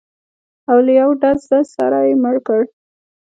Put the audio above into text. او له یوه ډزه سره یې مړ کړ.